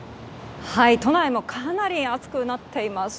都内もかなり暑くなっています。